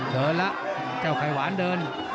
เดินแล้วเจ้าไข่หวานเดิน